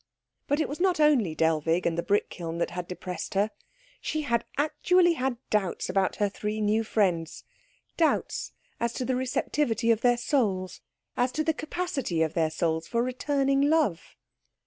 But it was not only Dellwig and the brick kiln that had depressed her; she had actually had doubts about her three new friends, doubts as to the receptivity of their souls, as to the capacity of their souls for returning love.